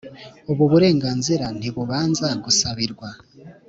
Ubu burenganzira ntibubanza gusabirwa